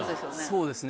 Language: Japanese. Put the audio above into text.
そうですね